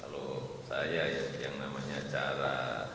kalau saya yang namanya cara